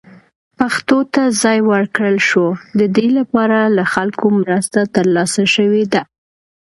پښتو ته ځای ورکړل شو، د دې لپاره له خلکو مرسته ترلاسه شوې ده.